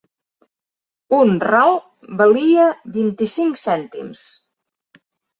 Un ral valia vint-i-cinc cèntims.